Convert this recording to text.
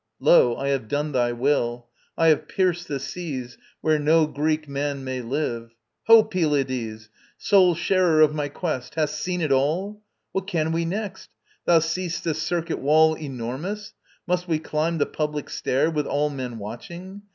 Lo, I have done thy will. I have pierced the seas Where no Greek man may live. Ho, Pylades, Sole sharer of my quest: hast seen it all? What can we next? Thou seest this circuit wall Enormous? Must we climb the public stair, With all men watching?